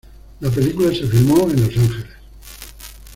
La película se filmó en Los Ángeles.